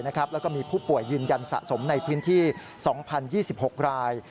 แล้วก็มีผู้ป่วยยืนยันสะสมในพื้นที่๒๐๒๖ราย